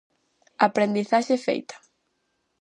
Aprendizaxe feita.